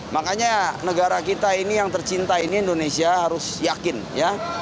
makanya negara kita ini yang tercinta ini indonesia harus yakin ya